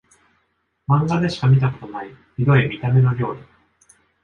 マンガでしか見たことないヒドい見た目の料理